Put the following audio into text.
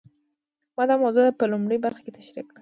ما دا موضوع په لومړۍ برخه کې تشرېح کړه.